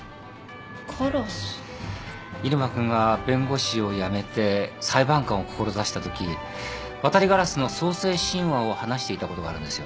入間君が弁護士を辞めて裁判官を志したときワタリガラスの創世神話を話していたことがあるんですよ。